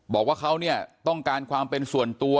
บอกว่าเขาเนี่ยต้องการความเป็นส่วนตัว